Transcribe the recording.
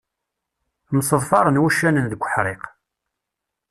Mseḍfaren wuccanen deg uḥriq.